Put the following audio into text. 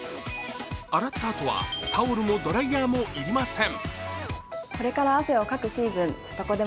洗ったあとはタオルもドライヤーも要りません。